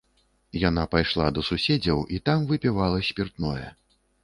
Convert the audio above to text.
Яна пайшла да суседзяў і там выпівала спіртное.